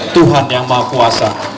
tuhan yang maha kuasa